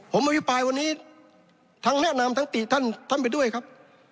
ผมอภิปรายวันนี้ทั้งแนะนำทั้งติท่านท่านไปด้วยครับ